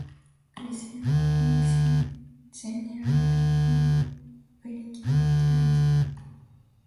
Gricean maxims generate implicatures.